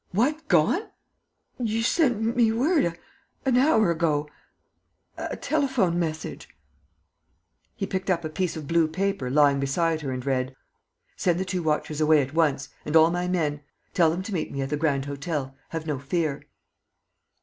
..." "What, gone?" "You sent me word ... an hour ago ... a telephone message. ..." He picked up a piece of blue paper lying beside her and read: "Send the two watchers away at once ... and all my men. ... Tell them to meet me at the Grand Hotel. Have no fear."